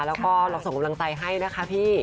แล้วก็เราส่งกำลังใจให้นะคะพี่